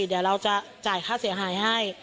เดี๋ยวเราจะจ่ายค่าเสียหายให้